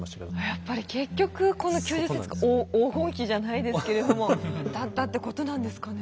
やっぱり結局この９０ｃｍが黄金比じゃないですけれどもだったってことなんですかね。